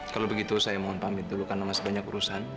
kalau begitu saya mohon pamit dulu karena masih banyak urusan